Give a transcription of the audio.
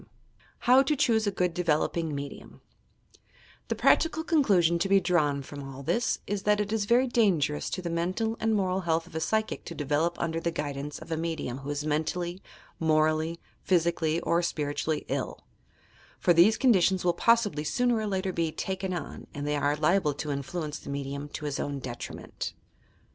68 YOUR PSYCHIC POWEES HOW TO CHOOSE A GOOD DEVELOPING MEDIUM The practical conclusion to be drawn from all this is that it is very dangerous to the mental and moral health of a psychic to develop under the guidance of a medium who is mentally, morally, physically or spirit ually ill — for these conditions will possibly sooner or later be ''taken on," and they are liable to influence the medium to his own detriment.